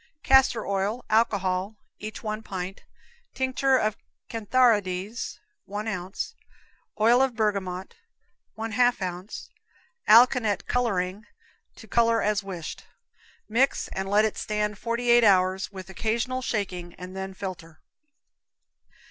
Castor oil, alcohol, each 1 pint; tinct. cantharides, 1 ounce; oil bergamot, 1/2 ounce; alkanet coloring, to color as wished. Mix and let it stand forty eight hours, with occasional shaking, and then filter.